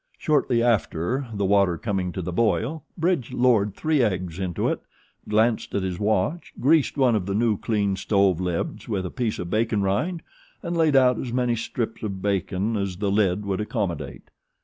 Shortly after, the water coming to the boil, Bridge lowered three eggs into it, glanced at his watch, greased one of the new cleaned stove lids with a piece of bacon rind and laid out as many strips of bacon as the lid would accommodate.